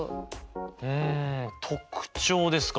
うん特徴ですか。